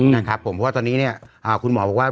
เพราะว่าวันนี้คุณหมอบอกว่า